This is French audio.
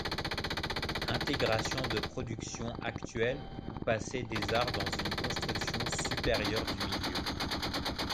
Intégration de productions actuelles ou passées des arts dans une construction supérieure du milieu.